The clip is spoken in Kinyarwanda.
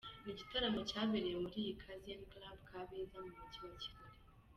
Ni igitaramo cyabereye muri Kaizen Club Kabeza, mu Mujyi wa Kigali.